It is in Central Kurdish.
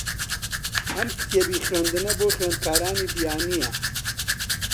ئەم کتێبی خوێندنە بۆ خوێندکارانی بیانییە.